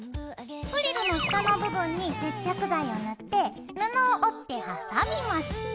フリルの下の部分に接着剤を塗って布を折って挟みます。